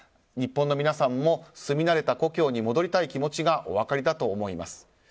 日本の皆さんも住み慣れた故郷に戻りたい気持ちがお分かりだと思います。